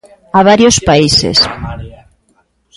A varios países.